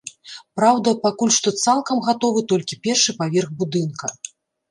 Праўда, пакуль што цалкам гатовы толькі першы паверх будынка.